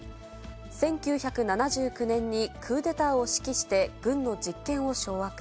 １９７９年にクーデターを指揮して、軍の実権を掌握。